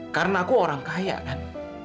karena aku orang kaya kan